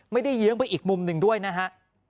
ไม่ได้เยี้ยงไปอีกมุมหนึ่งด้วยนะฮะ